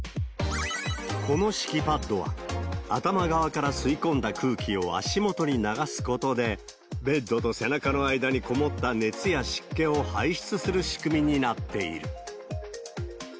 この敷きパッドは、頭側から吸い込んだ空気を足元に流すことで、ベッドと背中の間にこもった熱や湿気を排出する仕組みになっている。